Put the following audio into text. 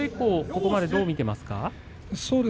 ここまでどう見ていますか？